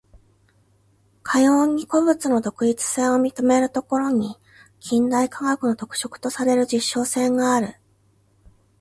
かように個物の独立性を認めるところに、近代科学の特色とされる実証性がある。